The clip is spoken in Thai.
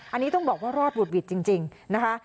อันนี้ต้องบอกว่ารอดหวุดหวิดจริงนะคะ